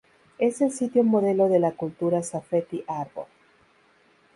Es el sitio modelo de la cultura Safety-Harbor.